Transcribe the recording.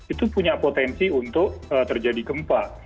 itu punya potensi untuk terjadi gempa